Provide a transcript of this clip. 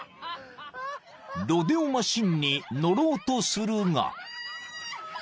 ［ロデオマシンに乗ろうとするが］